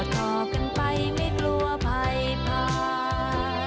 เพื่อนรักก็ชะมัด